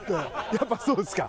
やっぱそうですか？